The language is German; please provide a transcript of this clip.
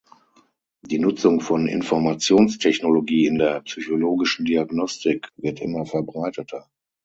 Die Nutzung von Informationstechnologie in der psychologischen Diagnostik wird immer verbreiteter.